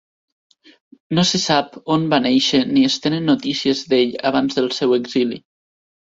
No se sap on va néixer ni es tenen notícies d'ell abans del seu exili.